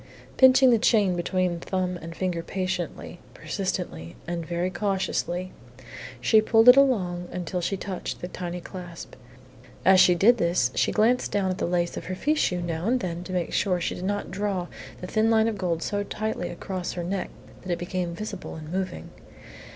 Pinching the chain between thumb and finger patiently, persistently, and very cautiously, she pulled it along until she touched the tiny clasp. As she did this she glanced down at the lace of her fichu now and then to make sure that she did not draw the thin line of gold so tightly across her neck that it became visible in moving.